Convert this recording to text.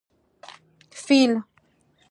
🐘 فېل